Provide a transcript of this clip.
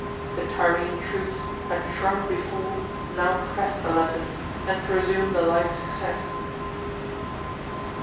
The Tyrrhene troops, that shrunk before, now press The Latins, and presume the like success.